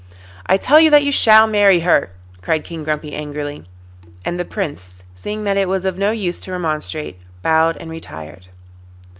'I tell you that you shall marry her,' cried King Grumpy angrily. And the Prince, seeing that it was of no use to remonstrate, bowed and retired.